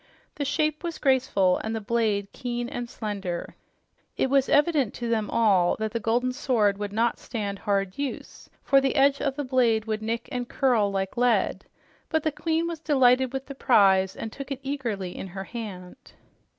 The shape was graceful and the blade keen and slender. It was evident to them all that the golden sword would not stand hard use, for the edge of the blade would nick and curl like lead, but the queen was delighted with the prize and took it eagerly in her hand.